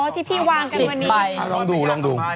อ๋อที่พี่วาง๑๐ไบลองดูลองดู